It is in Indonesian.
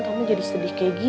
kamu jadi sedih kayak gini